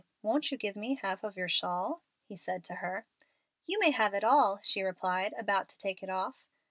Won't you give me half of your shawl?" he said to her. "You may have it all," she replied, about to take it off.